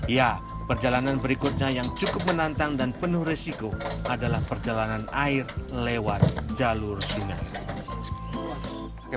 ya perjalanan berikutnya yang cukup menantang dan penuh resiko adalah perjalanan air lewat jalur sungai